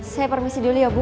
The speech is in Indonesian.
saya permisi dulu ya bu